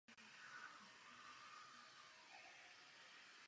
Gustav Gross vychodil národní školu a gymnázium.